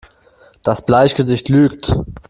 Das Bleichgesicht lügt!